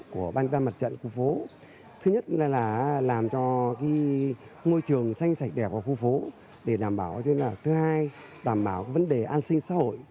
của ban mặt trận khu phố thứ nhất là làm cho môi trường xanh sạch đẹp của khu phố để đảm bảo thứ hai đảm bảo vấn đề an sinh xã hội